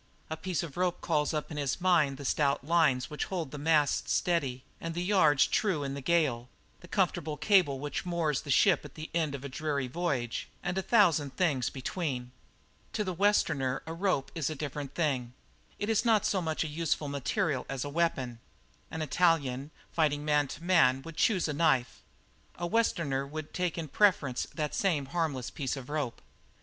A piece of rope calls up in his mind the stout lines which hold the masts steady and the yards true in the gale, the comfortable cable which moors the ship at the end of the dreary voyage, and a thousand things between. To the Westerner a rope is a different thing. It is not so much a useful material as a weapon. An Italian, fighting man to man, would choose a knife; a Westerner would take in preference that same harmless piece of rope.